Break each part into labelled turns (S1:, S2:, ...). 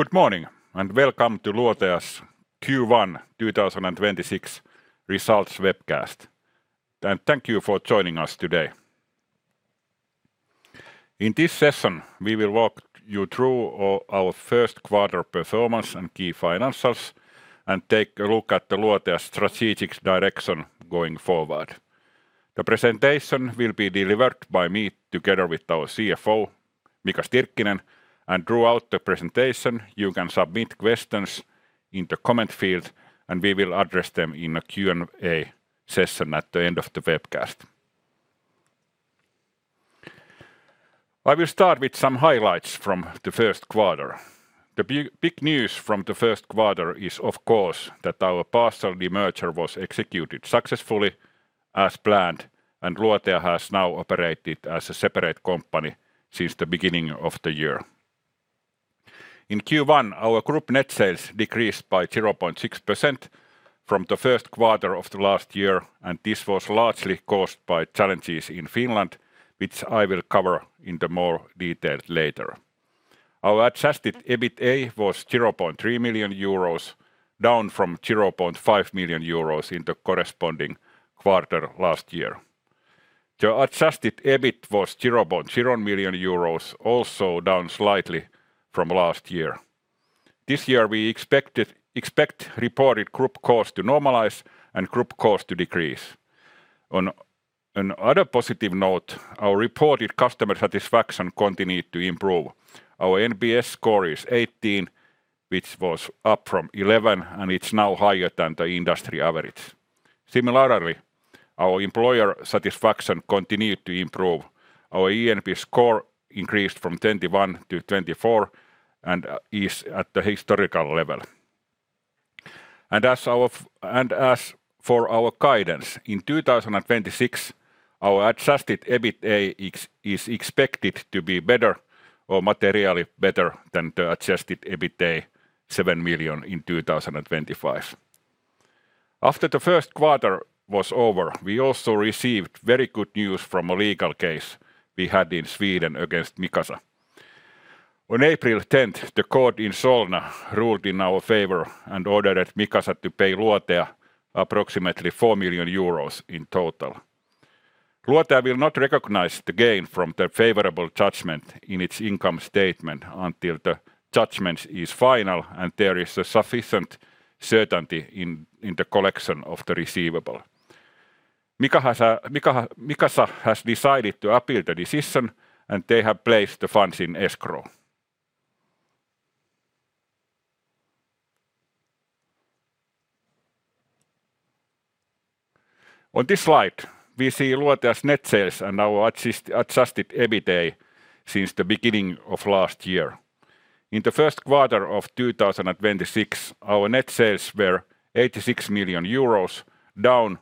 S1: Good morning, welcome to Luotea's Q1 2026 results webcast. Thank you for joining us today. In this session, we will walk you through our first quarter performance and key financials and take a look at the Luotea strategic direction going forward. The presentation will be delivered by me together with our CFO, Mika Stirkkinen. Throughout the presentation you can submit questions in the comment field, and we will address them in a Q&A session at the end of the webcast. I will start with some highlights from the first quarter. The big news from the first quarter is, of course, that our partial demerger was executed successfully as planned, and Luotea has now operated as a separate company since the beginning of the year. In Q1, our group net sales decreased by 0.6% from the first quarter of the last year. This was largely caused by challenges in Finland, which I will cover into more detail later. Our adjusted EBITDA was 0.3 million euros, down from 0.5 million euros in the corresponding quarter last year. The adjusted EBIT was 0.0 million euros, also down slightly from last year. This year we expect reported group costs to normalize and group costs to decrease. On other positive note, our reported customer satisfaction continued to improve. Our NPS score is 18, which was up from 11. It's now higher than the industry average. Similarly, our employer satisfaction continued to improve. Our eNPS score increased from 21 to 24, is at the historical level. As for our guidance, in 2026, our adjusted EBITDA is expected to be better or materially better than the adjusted EBITDA 7 million in 2025. After the first quarter was over, we also received very good news from a legal case we had in Sweden against Micasa. On April 10th, the court in Solna ruled in our favor and ordered Micasa to pay Luotea approximately 4 million euros in total. Luotea will not recognize the gain from the favorable judgment in its income statement until the judgment is final and there is a sufficient certainty in the collection of the receivable. Micasa has decided to appeal the decision. They have placed the funds in escrow. On this slide, we see Luotea's net sales and our adjusted EBITDA since the beginning of last year. In the first quarter of 2026, our net sales were 86 million euros, down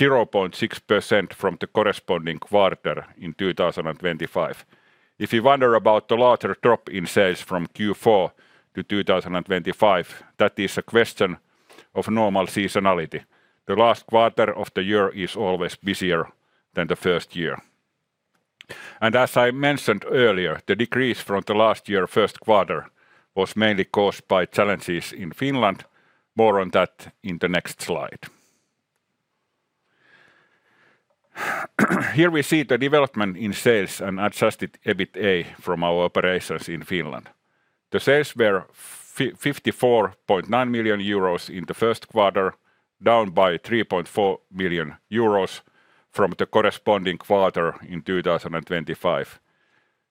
S1: 0.6% from the corresponding quarter in 2025. If you wonder about the larger drop in sales from Q4 to 2025, that is a question of normal seasonality. The last quarter of the year is always busier than the first year. As I mentioned earlier, the decrease from the last year first quarter was mainly caused by challenges in Finland. More on that in the next slide. Here we see the development in sales and adjusted EBITDA from our operations in Finland. The sales were 54.9 million euros in the first quarter, down by 3.4 million euros from the corresponding quarter in 2025.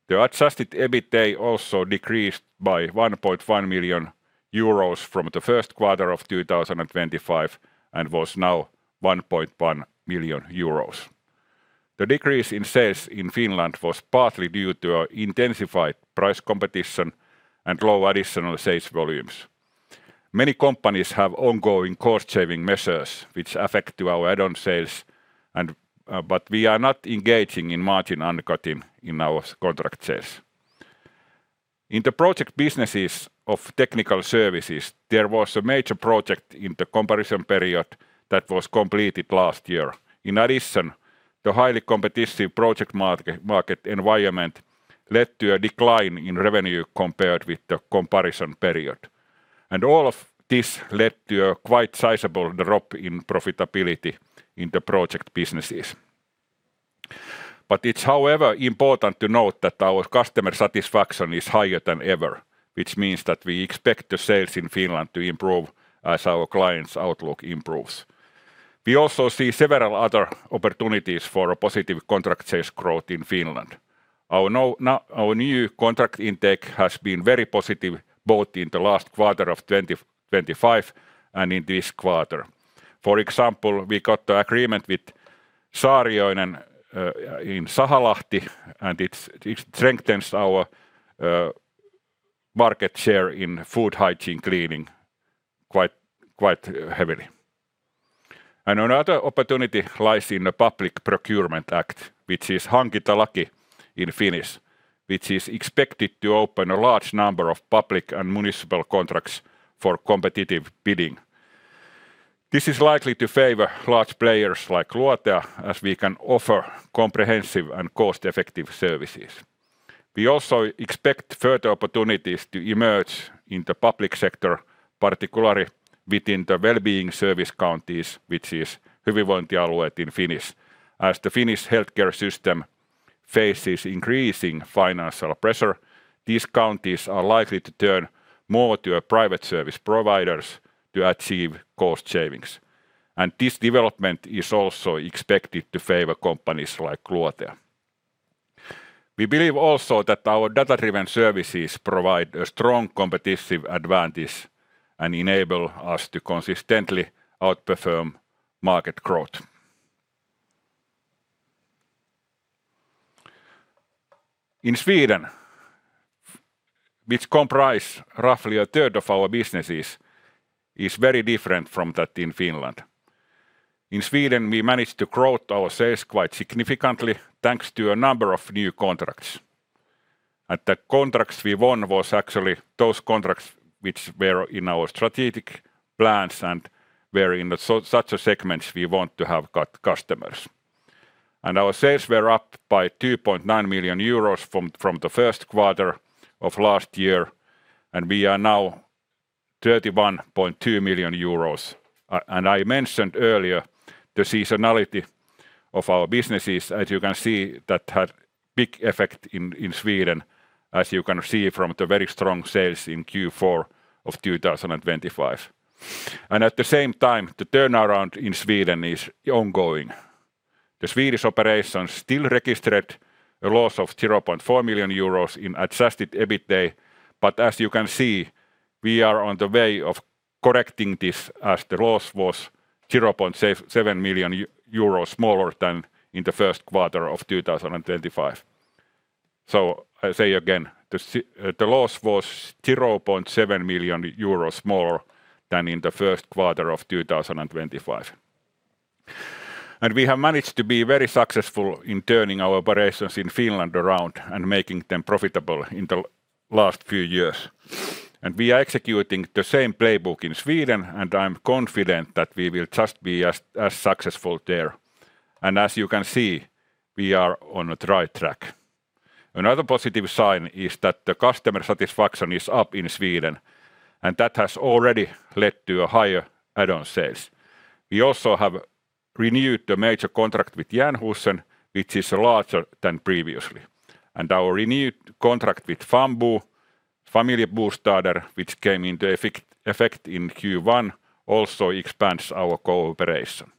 S1: The adjusted EBITDA also decreased by 1.1 million euros from the first quarter of 2025 and was now 1.1 million euros. The decrease in sales in Finland was partly due to our intensified price competition and low additional sales volumes. Many companies have ongoing cost-saving measures which affect our add-on sales and but we are not engaging in margin undercutting in our contract sales. In the project businesses of technical services, there was a major project in the comparison period that was completed last year. In addition, the highly competitive project market environment led to a decline in revenue compared with the comparison period. All of this led to a quite sizable drop in profitability in the project businesses. It's however important to note that our customer satisfaction is higher than ever, which means that we expect the sales in Finland to improve as our clients' outlook improves. We also see several other opportunities for a positive contract sales growth in Finland. Our new contract intake has been very positive both in the last quarter of 2025 and in this quarter. For example, we got the agreement with Saarioinen in Sahalahti, and it strengthens our market share in food hygiene cleaning quite heavily. Another opportunity lies in the Public Procurement Act, which is Hankintalaki in Finnish, which is expected to open a large number of public and municipal contracts for competitive bidding. This is likely to favor large players like Luotea as we can offer comprehensive and cost-effective services. We also expect further opportunities to emerge in the public sector, particularly within the wellbeing services counties, which is hyvinvointialueet in Finnish. As the Finnish healthcare system faces increasing financial pressure, these counties are likely to turn more to private service providers to achieve cost savings. This development is also expected to favor companies like Luotea. We believe also that our data-driven services provide a strong competitive advantage and enable us to consistently outperform market growth. In Sweden, which comprise roughly a third of our businesses, is very different from that in Finland. In Sweden, we managed to grow our sales quite significantly thanks to a number of new contracts. The contracts we won was actually those contracts which were in our strategic plans and were in such a segments we want to have customers. Our sales were up by 2.9 million euros from the first quarter of last year, and we are now 31.2 million euros. I mentioned earlier the seasonality of our businesses. As you can see, that had big effect in Sweden, as you can see from the very strong sales in Q4 of 2025. At the same time, the turnaround in Sweden is ongoing. The Swedish operations still registered a loss of 0.4 million euros in adjusted EBITDA, but as you can see, we are on the way of correcting this as the loss was 0.7 million euros, smaller than in the first quarter of 2025. I say again, the loss was 0.7 million euros, smaller than in the first quarter of 2025. We have managed to be very successful in turning our operations in Finland around and making them profitable in the last few years. We are executing the same playbook in Sweden, and I'm confident that we will just be as successful there. As you can see, we are on the right track. Another positive sign is that the customer satisfaction is up in Sweden, that has already led to a higher add-on sales. We also have renewed the major contract with Jernhusen, which is larger than previously. Our renewed contract with Fambo, Familjebostäder, which came into effect in Q1, also expands our cooperation.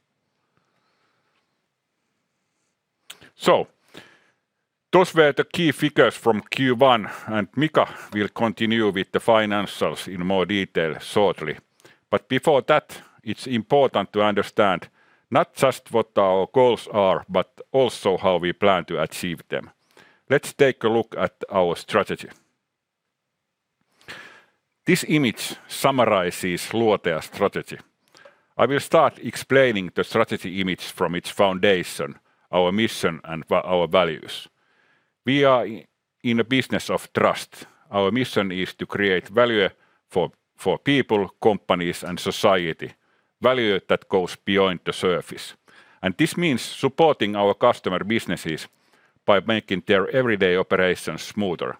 S1: Those were the key figures from Q1, Mika will continue with the financials in more detail shortly. Before that, it's important to understand not just what our goals are, but also how we plan to achieve them. Let's take a look at our strategy. This image summarizes Luotea's strategy. I will start explaining the strategy image from its foundation, our mission and our values. We are in a business of trust. Our mission is to create value for people, companies, and society, value that goes beyond the surface. This means supporting our customer businesses by making their everyday operations smoother.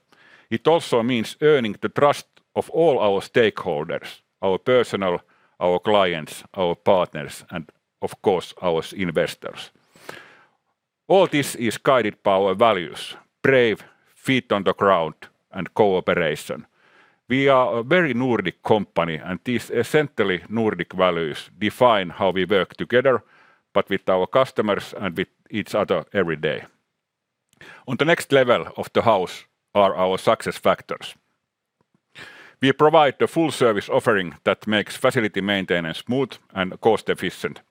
S1: It also means earning the trust of all our stakeholders, our personnel, our clients, our partners, and of course, our investors. All this is guided by our values, brave, feet on the ground, and cooperation. We are a very Nordic company. These essentially Nordic values define how we work together, but with our customers and with each other every day. On the next level of the house are our success factors. We provide the full service offering that makes facility maintenance smooth and cost efficient.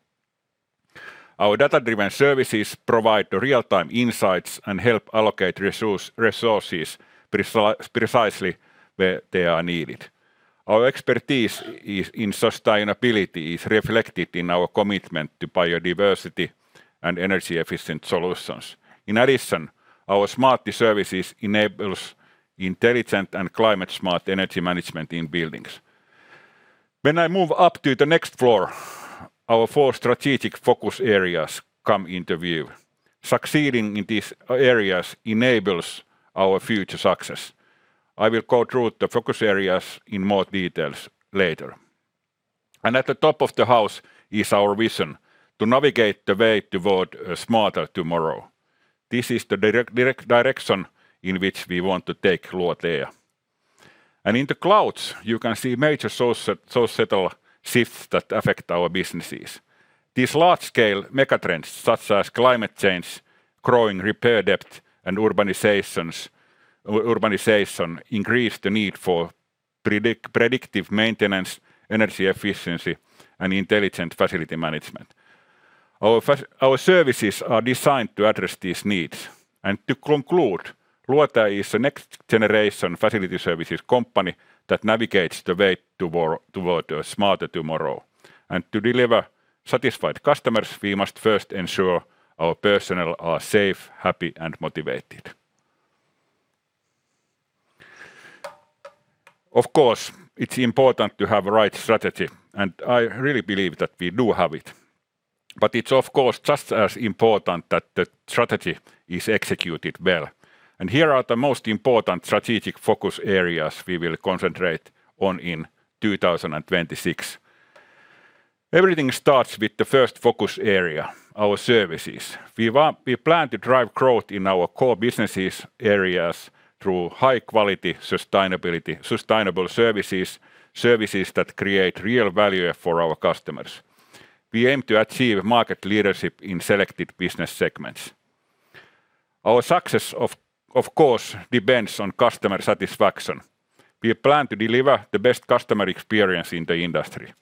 S1: Our data-driven services provide the real-time insights and help allocate resources precisely where they are needed. Our expertise in sustainability is reflected in our commitment to biodiversity and energy efficient solutions. In addition, our Smartti services enable intelligent and climate-smart energy management in buildings. When I move up to the next floor, our four strategic focus areas come into view. Succeeding in these areas enables our future success. I will go through the focus areas in more details later. At the top of the house is our vision, to navigate the way toward a smarter tomorrow. This is the direct direction in which we want to take Luotea. In the clouds, you can see major societal shifts that affect our businesses. These large-scale megatrends, such as climate change, growing repair depth, and urbanization, increase the need for predictive maintenance, energy efficiency, and intelligent facility management. Our services are designed to address these needs. To conclude, Luotea is a next generation facility services company that navigates the way toward a smarter tomorrow. To deliver satisfied customers, we must first ensure our personnel are safe, happy, and motivated. Of course, it's important to have the right strategy, and I really believe that we do have it. It's of course just as important that the strategy is executed well. Here are the most important strategic focus areas we will concentrate on in 2026. Everything starts with the first focus area, our services. We plan to drive growth in our core businesses areas through high quality, sustainability, sustainable services that create real value for our customers. We aim to achieve market leadership in selected business segments. Our success of course depends on customer satisfaction. We plan to deliver the best customer experience in the industry.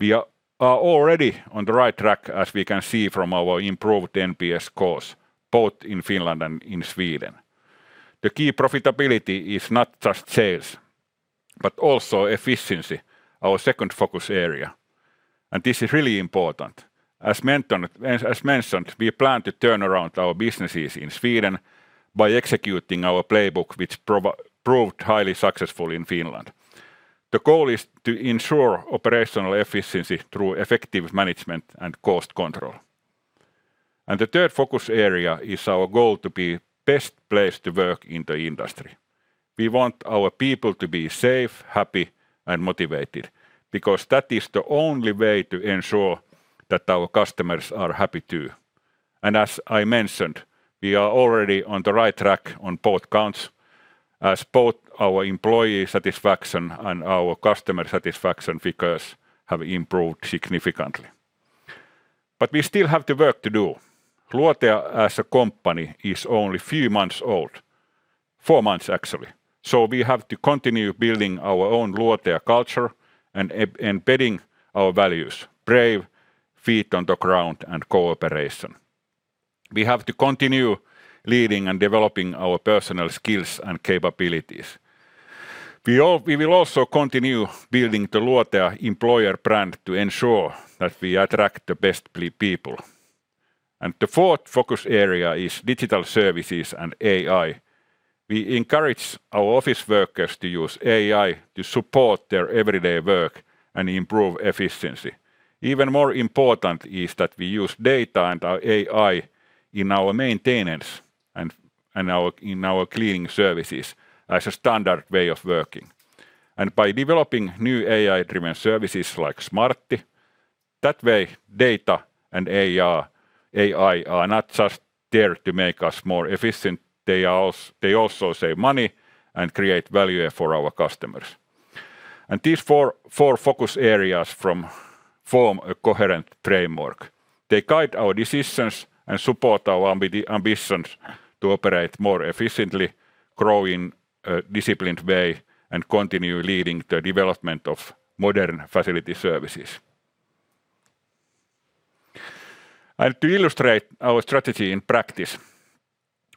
S1: We are already on the right track as we can see from our improved NPS scores, both in Finland and in Sweden. The key profitability is not just sales, but also efficiency, our second focus area. This is really important. As mentioned, as mentioned, we plan to turn around our businesses in Sweden by executing our playbook, which proved highly successful in Finland. The goal is to ensure operational efficiency through effective management and cost control. The third focus area is our goal to be best place to work in the industry. We want our people to be safe, happy and motivated because that is the only way to ensure that our customers are happy too. As I mentioned, we are already on the right track on both counts as both our employee satisfaction and our customer satisfaction figures have improved significantly. We still have the work to do. Luotea as a company is only few months old. Four months actually. We have to continue building our own Luotea culture and embedding our values, brave, feet on the ground and cooperation. We have to continue leading and developing our personal skills and capabilities. We will also continue building the Luotea employer brand to ensure that we attract the best people. The fourth focus area is digital services and AI. We encourage our office workers to use AI to support their everyday work and improve efficiency. Even more important is that we use data and AI in our maintenance and our cleaning services as a standard way of working. By developing new AI-driven services like Smartti, that way data and AI are not just there to make us more efficient, they also save money and create value for our customers. These four focus areas form a coherent framework. They guide our decisions and support our ambitions to operate more efficiently, grow in a disciplined way, and continue leading the development of modern facility services. To illustrate our strategy in practice,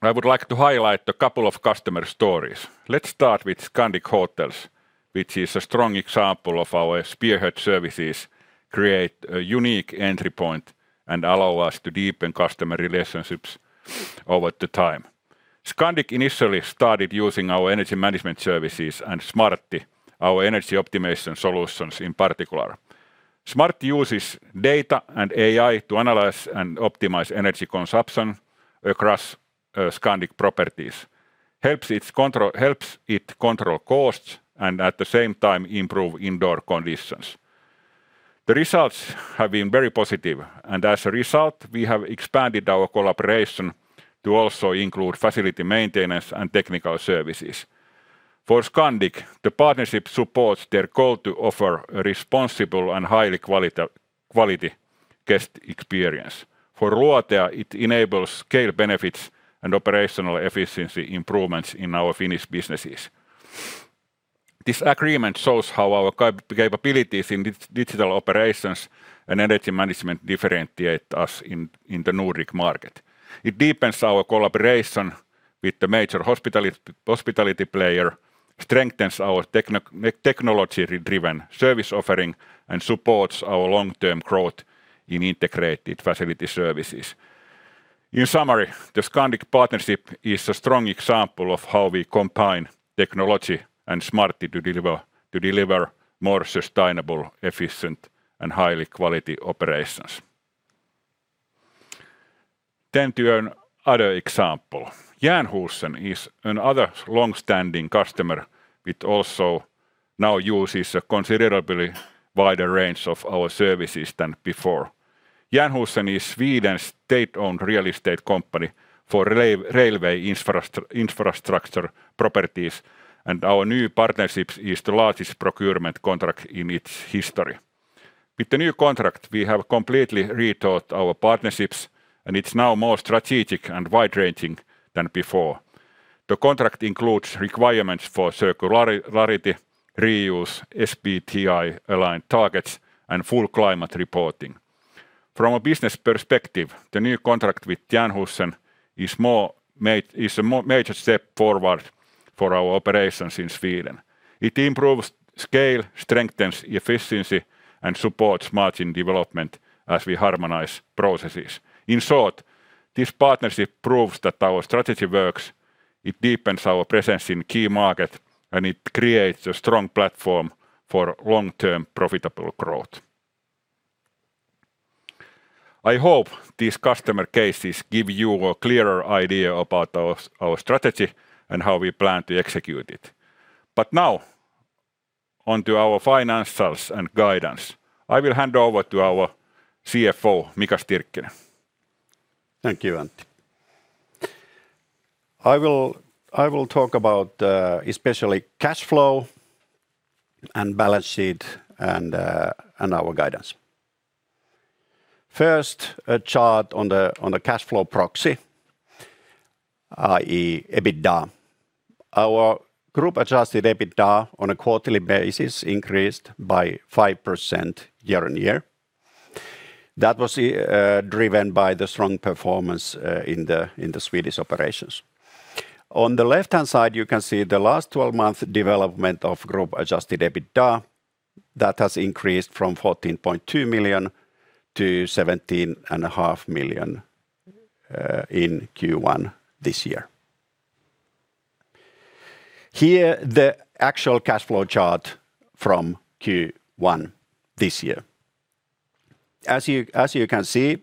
S1: I would like to highlight a couple of customer stories. Let's start with Scandic Hotels, which is a strong example of our spearhead services, create a unique entry point, and allow us to deepen customer relationships over the time. Scandic initially started using our energy management services and Smartti, our energy optimization solutions in particular. Smartti uses data and AI to analyze and optimize energy consumption across Scandic properties. Helps it control costs and at the same time improve indoor conditions. The results have been very positive, and as a result, we have expanded our collaboration to also include facility maintenance and technical services. For Scandic, the partnership supports their goal to offer a responsible and highly quality guest experience. For Luotea, it enables scale benefits and operational efficiency improvements in our Finnish businesses. This agreement shows how our capabilities in digital operations and energy management differentiate us in the Nordic market. It deepens our collaboration with the major hospitality player, strengthens our technology-driven service offering, and supports our long-term growth in integrated facility services. In summary, the Scandic partnership is a strong example of how we combine technology and Smartti to deliver more sustainable, efficient, and highly quality operations. To another example. Jernhusen is another long-standing customer which also now uses a considerably wider range of our services than before. Jernhusen is Sweden's state-owned real estate company for railway infrastructure properties, our new partnership is the largest procurement contract in its history. With the new contract, we have completely rethought our partnerships, it's now more strategic and wide-ranging than before. The contract includes requirements for circularity, reuse, SBTi-aligned targets, and full climate reporting. From a business perspective, the new contract with Jernhusen is a major step forward for our operations in Sweden. It improves scale, strengthens efficiency. Supports margin development as we harmonize processes. In short, this partnership proves that our strategy works, it deepens our presence in key market, and it creates a strong platform for long-term profitable growth. I hope these customer cases give you a clearer idea about our strategy and how we plan to execute it. Now, onto our financials and guidance. I will hand over to our CFO, Mika Stirkkinen.
S2: Thank you, Antti. I will talk about especially cash flow and balance sheet and our guidance. First, a chart on the cash flow proxy, i.e., EBITDA. Our group-adjusted EBITDA on a quarterly basis increased by 5% year-on-year. That was driven by the strong performance in the Swedish operations. On the left-hand side, you can see the last 12-month development of group-adjusted EBITDA. That has increased from 14.2 million to 17.5 million in Q1 this year. Here, the actual cash flow chart from Q1 this year. As you can see,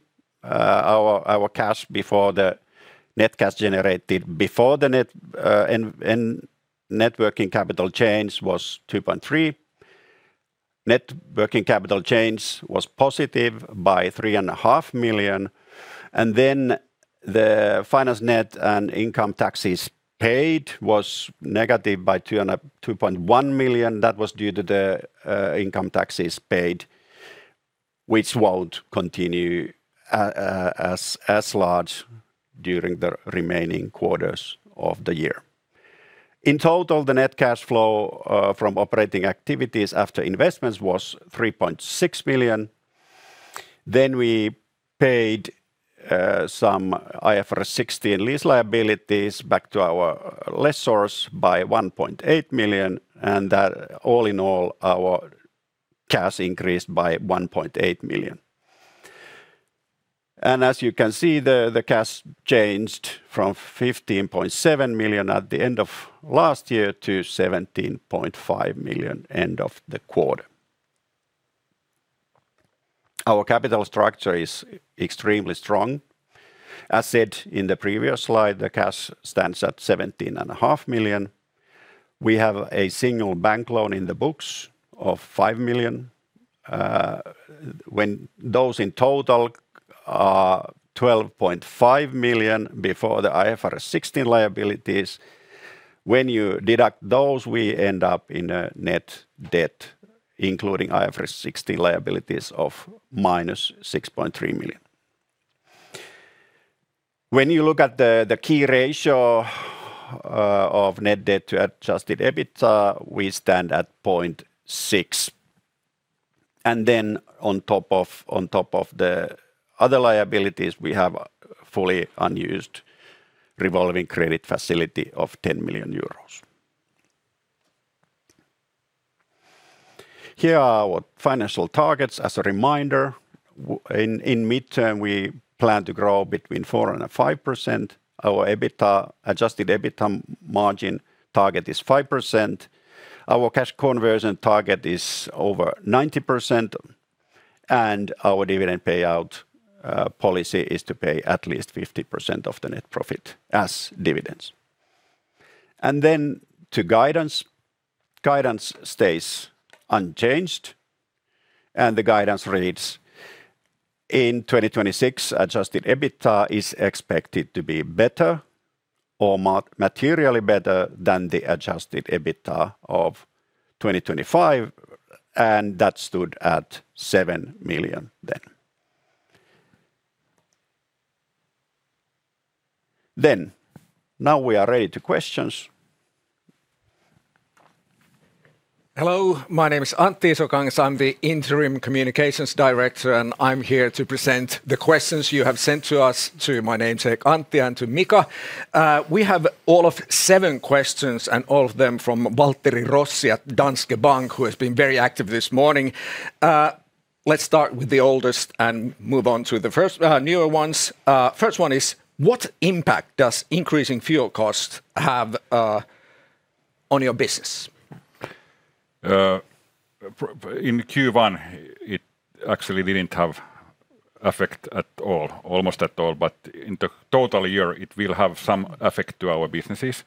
S2: our cash before the net cash generated, before the net, networking capital change was 2.3 million. Net working capital change was positive by 3.5 million, the finance net and income taxes paid was negative by 2.1 million. That was due to the income taxes paid, which won't continue as large during the remaining quarters of the year. In total, the net cash flow from operating activities after investments was 3.6 million. We paid some IFRS 16 lease liabilities back to our lessors by 1.8 million, and that all in all, our cash increased by 1.8 million. As you can see, the cash changed from 15.7 million at the end of last year to 17.5 million end of the quarter. Our capital structure is extremely strong. As said in the previous slide, the cash stands at 17.5 million. We have a single bank loan in the books of 5 million, when those in total are 12.5 million before the IFRS 16 liabilities. When you deduct those, we end up in a net debt, including IFRS 16 liabilities, of -6.3 million. When you look at the key ratio of net debt to adjusted EBITDA, we stand at 0.6. On top of the other liabilities, we have a fully unused revolving credit facility of 10 million euros. Here are our financial targets. As a reminder, in mid-term, we plan to grow between 4%-5%. Our adjusted EBITDA margin target is 5%. Our cash conversion target is over 90%, and our dividend payout policy is to pay at least 50% of the net profit as dividends. To guidance. Guidance stays unchanged. The guidance reads, "In 2026, adjusted EBITDA is expected to be better or materially better than the adjusted EBITDA of 2025." That stood at 7 million then. Now we are ready to questions.
S3: Hello, my name is Antti Isokangas. I'm the Interim Communications Director, and I'm here to present the questions you have sent to us, to my namesake, Antti, and to Mika. We have all of seven questions, and all of them from Waltteri Rossi at Danske Bank, who has been very active this morning. Let's start with the oldest and move on to the first newer ones. First one is, "What impact does increasing fuel costs have on your business?
S1: In Q1 it actually didn't have effect at all, almost at all. In the total year it will have some effect to our businesses,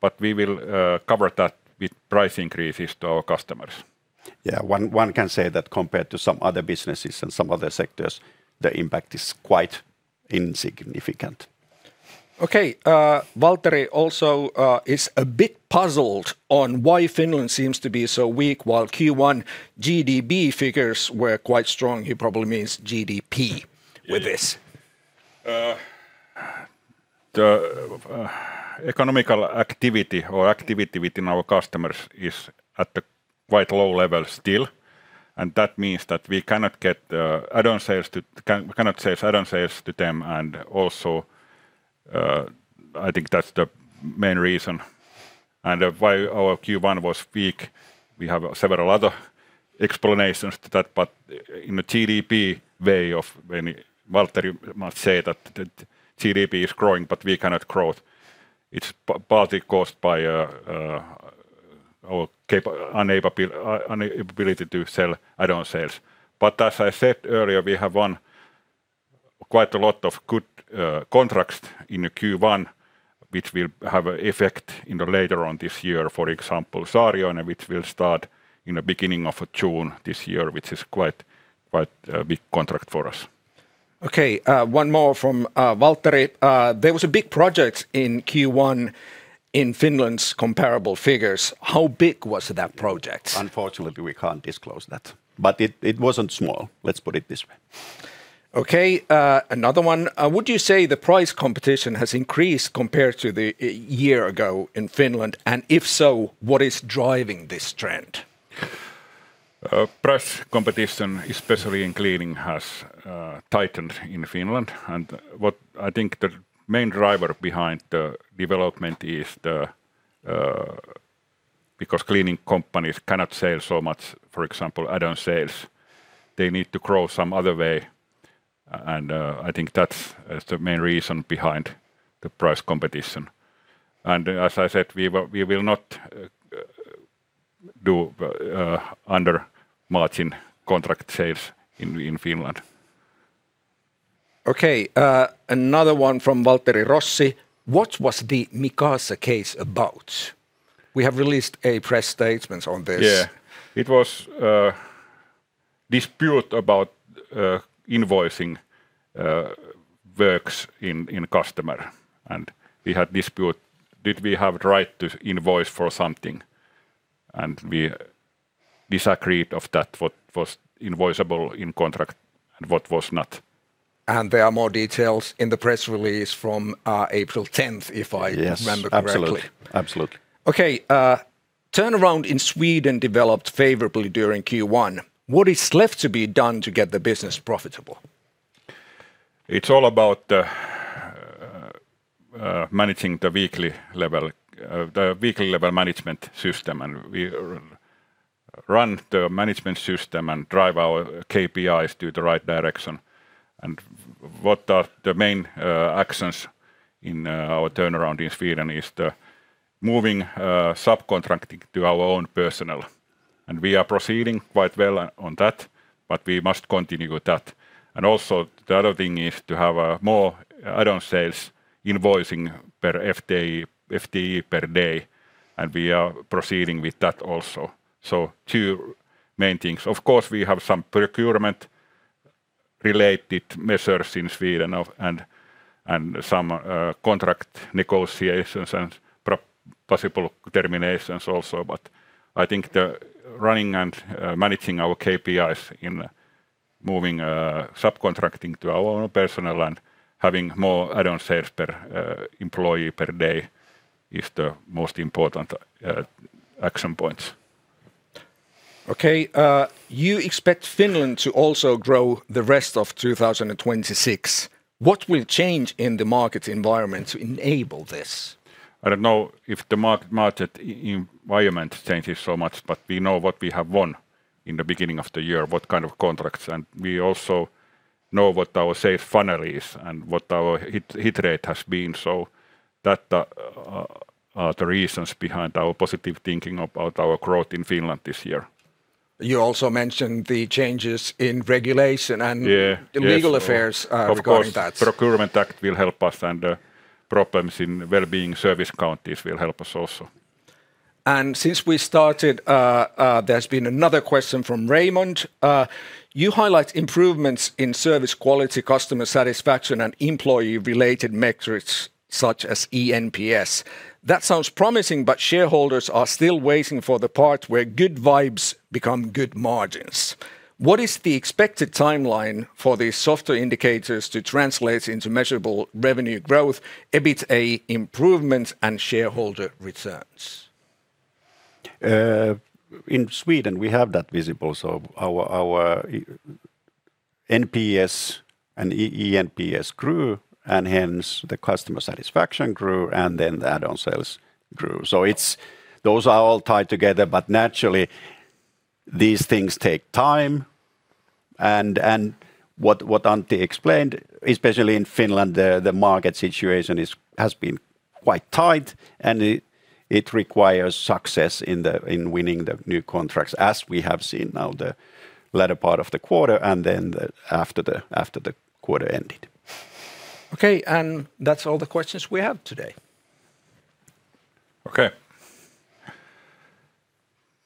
S1: but we will cover that with price increases to our customers.
S2: Yeah. One can say that compared to some other businesses and some other sectors, the impact is quite insignificant.
S3: Okay. Waltteri also is a bit puzzled on why Finland seems to be so weak while Q1 GDP figures were quite strong.
S1: Yeah
S3: with this.
S1: The economic activity or activity within our customers is at a quite low level still. That means that we cannot get add-on sales to them. I think that's the main reason why our Q1 was weak. We have several other explanations to that. In the GDP way of when Waltteri might say that the GDP is growing but we cannot grow, it's partly caused by our inability to sell add-on sales. As I said earlier, we have won quite a lot of good contracts in the Q1, which will have a effect later on this year, for example, Saarioinen, which will start in the beginning of June this year, which is quite a big contract for us.
S3: Okay. One more from Waltteri. There was a big project in Q1 in Finland's comparable figures. How big was that project?
S2: Unfortunately, we can't disclose that. It wasn't small. Let's put it this way.
S3: Okay. Another one. Would you say the price competition has increased compared to the year ago in Finland, and if so, what is driving this trend?
S1: Price competition, especially in cleaning, has tightened in Finland. What I think the main driver behind the development is because cleaning companies cannot sell so much, for example, add-on sales. They need to grow some other way. I think that's the main reason behind the price competition. As I said, we will not do under-margin contract sales in Finland.
S3: Okay. another one from Waltteri Rossi. What was the Micasa case about? We have released a press statement on this.
S1: Yeah. It was dispute about invoicing works in customer, and we had dispute did we have right to invoice for something. We disagreed of that, what was invoiceable in contract and what was not.
S3: There are more details in the press release from April 10th.
S1: Yes
S3: remember correctly.
S1: Absolutely. Absolutely.
S3: Okay. turnaround in Sweden developed favorably during Q1. What is left to be done to get the business profitable?
S1: It's all about managing the weekly level, the weekly level management system. We run the management system and drive our KPIs to the right direction. What are the main actions in our turnaround in Sweden is the moving subcontracting to our own personnel. We are proceeding quite well on that, but we must continue with that. Also, the other thing is to have more add-on sales invoicing per FTE per day. We are proceeding with that also. Two main things. Of course, we have some procurement-related measures in Sweden and some contract negotiations and possible terminations also. I think the running and managing our KPIs in moving subcontracting to our own personnel and having more add-on sales per employee per day is the most important action points.
S3: Okay. You expect Finland to also grow the rest of 2026. What will change in the market environment to enable this?
S1: I don't know if the market environment changes so much. We know what we have won in the beginning of the year, what kind of contracts. We also know what our safe funnel is and what our hit rate has been. That are the reasons behind our positive thinking about our growth in Finland this year.
S3: You also mentioned the changes in regulation.
S1: Yeah. Yes.
S3: legal affairs.
S1: Of course
S3: regarding that.
S1: Procurement Act will help us, problems in wellbeing services counties will help us also.
S3: Since we started, there's been another question from Raymond. You highlight improvements in service quality, customer satisfaction, and employee-related metrics such as eNPS. That sounds promising, but shareholders are still waiting for the part where good vibes become good margins. What is the expected timeline for the softer indicators to translate into measurable revenue growth, EBITDA improvements, and shareholder returns?
S2: In Sweden, we have that visible. Our NPS and eNPS grew, and hence the customer satisfaction grew, and then the add-on sales grew. It's those are all tied together, but naturally these things take time, and what Antti explained, especially in Finland, the market situation has been quite tight, and it requires success in winning the new contracts, as we have seen now the latter part of the quarter and then the after the quarter ended.
S3: Okay. That's all the questions we have today.
S1: Okay.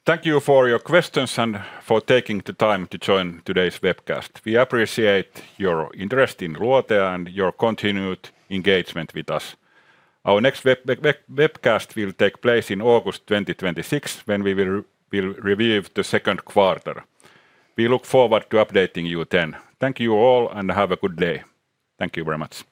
S1: Thank you for your questions and for taking the time to join today's webcast. We appreciate your interest in Luotea and your continued engagement with us. Our next webcast will take place in August 2026 when we will review the second quarter. We look forward to updating you then. Thank you all, and have a good day. Thank you very much.